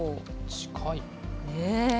近い。